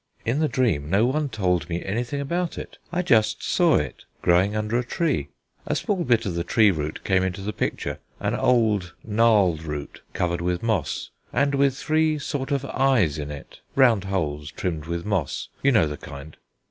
In the dream no one told me anything about it: I just saw it growing under a tree: a small bit of the tree root came into the picture, an old gnarled root covered with moss, and with three sorts of eyes in it, round holes trimmed with moss you know the kind.